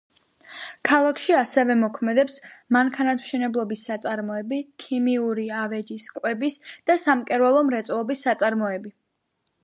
ქალაქში ასევე მოქმედებს მანქანათმშენებლობის საწარმოები, ქიმიური, ავეჯის, კვების და სამკერვალო მრეწველობის საწარმოები.